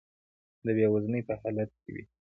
د بې وزنۍ په حالت کې وي.